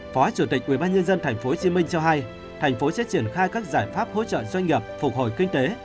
phó chủ tịch ubnd tp hcm cho hay thành phố sẽ triển khai các giải pháp hỗ trợ doanh nghiệp phục hồi kinh tế